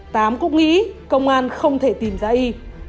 tám cũng nghĩ công an không thể tìm ra y